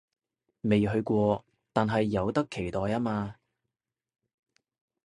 未去過，但係有得期待吖嘛